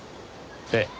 ええ。